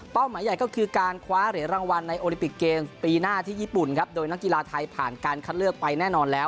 หมายใหญ่ก็คือการคว้าเหรียญรางวัลในโอลิปิกเกมปีหน้าที่ญี่ปุ่นครับโดยนักกีฬาไทยผ่านการคัดเลือกไปแน่นอนแล้ว